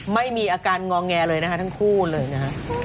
ไม่มีอาการงอแงเลยนะคะทั้งคู่เลยนะฮะ